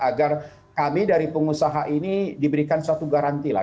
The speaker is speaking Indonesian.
agar kami dari pengusaha ini diberikan suatu garanti lah